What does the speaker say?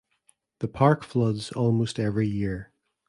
The park floods almost every year.